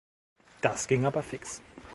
Das ging aber fix!